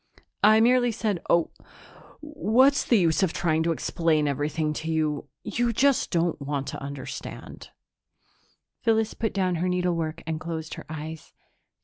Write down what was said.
"I merely said ... oh, what's the use of trying to explain everything to you? You just don't want to understand." Phyllis put down her needlework and closed her eyes.